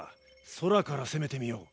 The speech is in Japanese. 空から攻めてみよう。